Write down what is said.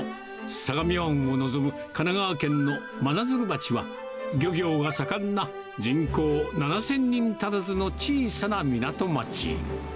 相模湾を望む神奈川県の真鶴町は、漁業が盛んな人口７０００人足らずの小さな港町。